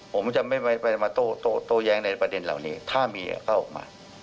ผมจะไม่ไปมาโต้แย้งในประเด็นเหล่านี้ถ้าเมียก็ออกมา